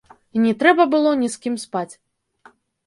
І не трэба было ні з кім спаць.